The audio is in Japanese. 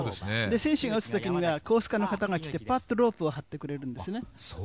選手が打つときには、コースの方が来て、ぱっとロープを張ってくれるんですね。